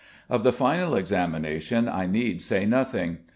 Of the final examination I need say nothing.